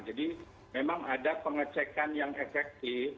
jadi memang ada pengecekan yang efektif